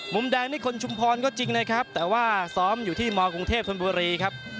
มุมแดงนี่คนชุมพรก็จริงนะครับแต่ว่าซ้อมอยู่ที่มกรุงเทพธนบุรีครับ